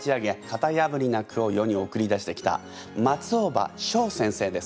型やぶりな句を世に送り出してきた松尾葉翔先生です。